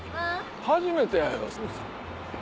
初めてやよ。